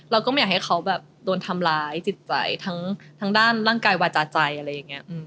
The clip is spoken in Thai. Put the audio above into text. เราก็ไม่อยากให้เขาแบบโดนทำร้ายจิตใจทั้งด้านร่างกายวาจาใจอะไรอย่างนี้